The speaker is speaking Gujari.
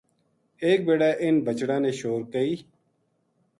ایک بِڑے اِنھ بچڑاں نے شور کئی